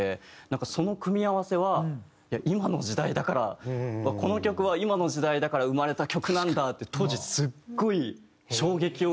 なんかその組み合わせは今の時代だからこの曲は今の時代だから生まれた曲なんだって当時すっごい衝撃を受けて。